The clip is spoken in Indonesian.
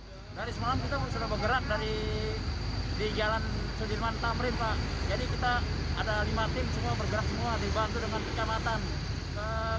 dari semalam kita sudah bergerak dari jalan sudirman tamrin pak jadi kita ada lima tim semua bergerak semua dibantu dengan kecamatan